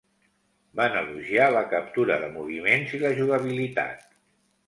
Van elogiar la captura de moviments i la jugabilitat.